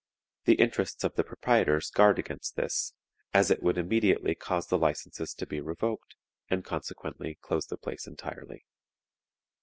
The interests of the proprietors guard against this, as it would immediately cause the licenses to be revoked, and consequently close the place entirely.